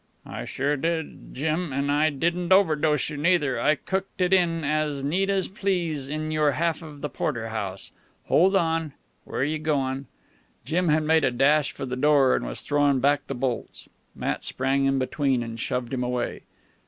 "I sure did, Jim; an' I didn't overdose you, neither. I cooked it in as neat as you please in your half the porterhouse. Hold on! Where're you goin'?" Jim had made a dash for the door, and was throwing back the bolts. Matt sprang in between and shoved him away.